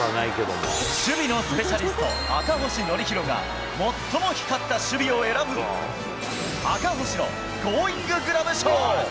守備のスペシャリスト、赤星憲広が最も光った守備を選ぶ、赤星のゴーインググラブ賞。